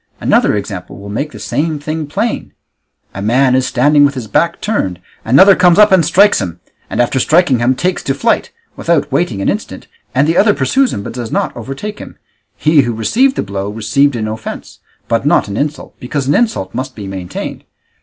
Another example will make the same thing plain: a man is standing with his back turned, another comes up and strikes him, and after striking him takes to flight, without waiting an instant, and the other pursues him but does not overtake him; he who received the blow received an offence, but not an insult, because an insult must be maintained.